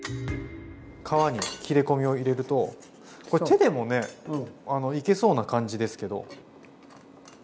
皮に切れ込みを入れるとこれ手でもねいけそうな感じですけど。